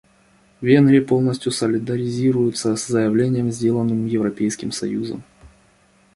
Венгрии полностью солидаризируется с заявлением, сделанным Европейским союзом.